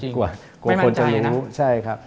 กลัวคนจะรู้โอล่ะจริงไม่มั่นใจนะ